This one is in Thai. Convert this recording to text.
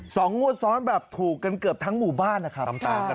งวดซ้อนแบบถูกกันเกือบทั้งหมู่บ้านนะครับ